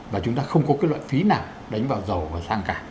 và chúng ta không có cái loại phí nào đánh vào dầu và sang cả